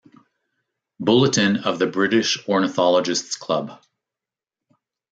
Bulletin of the British Ornithologists' Club.